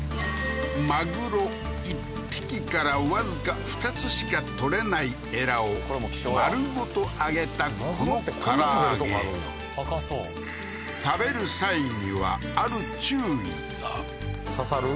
マグロ１匹からわずか２つしか取れないエラを丸ごと揚げたこのから揚げ高そう食べる際には刺さる？